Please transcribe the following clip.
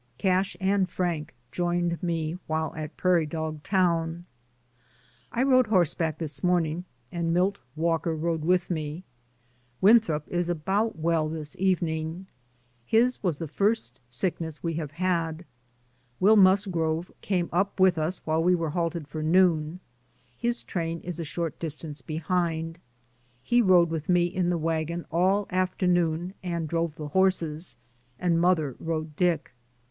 Cash and Frank joined me, while at Prairie Dog Town. I rode horseback this morning, and Milt Walker rode with me. Winthrop is about well this evening. His was the first sickness we have had. Will Musgrove came up with us while we were halted for noon — his train is a short distance behind — he rode with me in the wagon all afternoon, and drove the horses, and mother rode Dick.